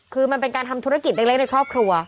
คือมันเป็นการทำธุรกิจเล็กในครอบครัว